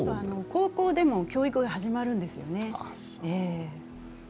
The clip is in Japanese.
高校でも教育が始まるんですよね。